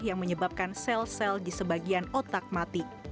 yang menyebabkan sel sel di sebagian otak mati